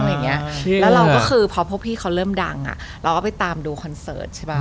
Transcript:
แล้วเราก็คือพอพวกพี่เขาเริ่มดังอ่ะเราก็ไปตามดูคอนเสิร์ตใช่ป่ะ